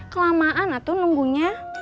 kelamaan atuh nunggunya